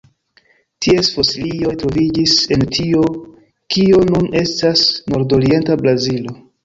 Ties fosilioj troviĝis en tio kio nun estas nordorienta Brazilo.